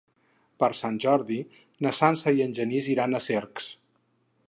Per Sant Jordi na Sança i en Genís iran a Cercs.